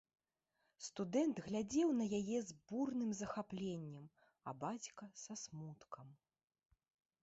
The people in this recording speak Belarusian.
Студэнт глядзеў на яе з бурным захапленнем, а бацька са смуткам.